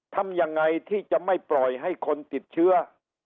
ทำยังไงที่จะไม่ปล่อยให้คนติดเชื้อ